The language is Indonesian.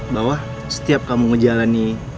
bahwa setiap kamu ngejalani